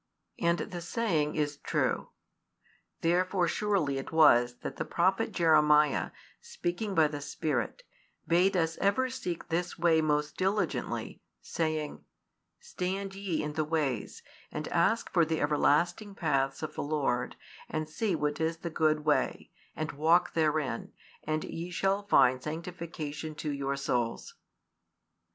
And the saying is true. Therefore surely it was that the prophet Jeremiah, speaking by the Spirit, bade us ever seek this way most diligently, saying: Stand ye in the ways, and ask for the everlasting paths of the Lord, and see what is the good way, and walk therein; and ye shall find sanctification to your souls.